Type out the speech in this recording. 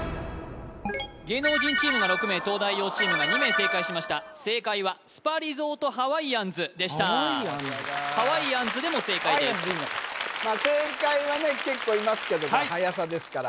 芸能人チームが６名東大王チームが２名正解しました正解はスパリゾートハワイアンズでしたハワイアンズでも正解です